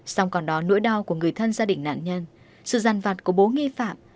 xong còn đó nỗi đau của người thân gia đình nạn nhân sự giàn vặt của bố nghi phạm